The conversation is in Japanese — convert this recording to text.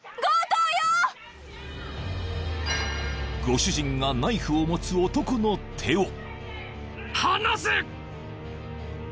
［ご主人がナイフを持つ男の手を］